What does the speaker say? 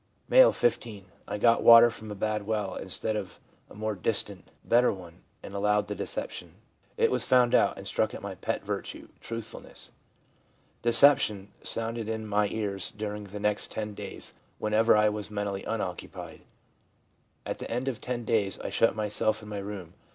M., 15. ' I got water from a bad well, instead of a more distant, better one, and allowed the deception. It was found out, and struck at my pet virtue, truthfulness. THE CHARACTER OF THE NEW LIFE 133 "Deception" sounded in my ears during the next ten days whenever I was mentally unoccupied. At the end of ten days I shut myself in my room.